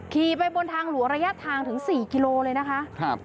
ขี่ไปบนทางหลวงระยะทางถึง๔กิโลเลยนะคะ